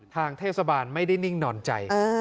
ทางเทศบาลไม่ได้นิ่งนอนใจ